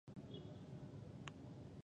او هغې ته ولور وايو.